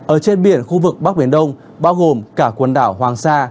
ở trên biển khu vực bắc biển đông bao gồm cả quần đảo hoàng sa